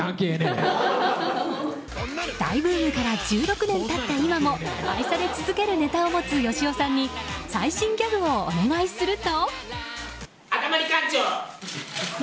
大ブームから１６年経った今も愛され続けるネタを持つよしおさんに最新ギャグをお願いすると。